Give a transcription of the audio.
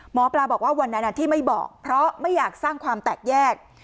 หมอปลาบอกว่าวันนั้นที่ไม่บอกเพราะไม่อยากสร้างความแตกแยก